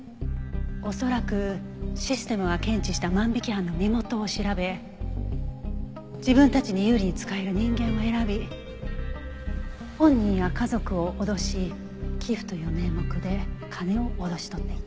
恐らくシステムが検知した万引き犯の身元を調べ自分たちに有利に使える人間を選び本人や家族を脅し寄付という名目で金を脅し取っていた。